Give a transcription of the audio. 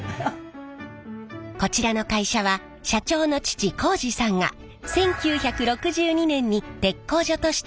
こちらの会社は社長の父幸次さんが１９６２年に鉄工所として創業しました。